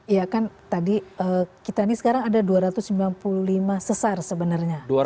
iya kan tadi kita ini sekarang ada dua ratus sembilan puluh lima sesar sebenarnya